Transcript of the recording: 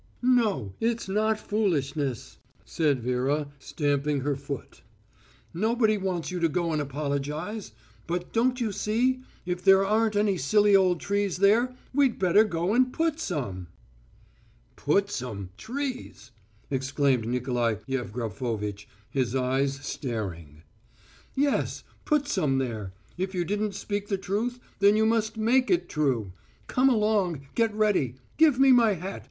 "No, it's not foolishness," said Vera, stamping her toot. "Nobody wants you to go and apologise. But, don't you see, if there aren't any silly old trees there we'd better go and put some." "Put some trees!" exclaimed Nikolai Yevgrafovitch, his eyes staring. "Yes, put some there. If you didn't speak the truth, then you must make it true. Come along, get ready. Give me my hat